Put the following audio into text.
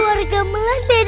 biasa suara gemeland red first